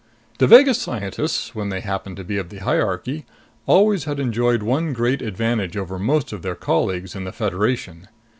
Devagas scientists, when they happened to be of the hierarchy, always had enjoyed one great advantage over most of their colleagues in the Federation.